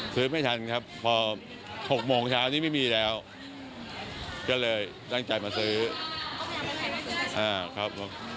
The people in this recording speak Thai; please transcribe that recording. ซื้อไม่ทันครับพอ๖โมงเช้านี้ไม่มีแล้วก็เลยตั้งใจมาซื้ออ้าวครับผม